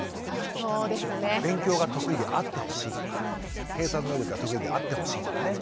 あそうですね。勉強が得意であってほしいとか。計算能力が得意であってほしいとかね